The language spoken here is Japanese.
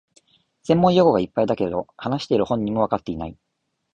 専門用語がいっぱいだけど、話してる本人もわかってない